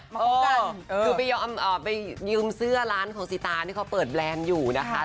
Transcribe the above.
คือไปยืมเสื้อร้านของสิตาที่เขาเปิดแบรนด์อย่างร้าย